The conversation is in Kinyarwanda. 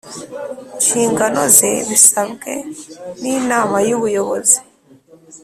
nshingano ze bisabwe n Inama y Ubuyobozi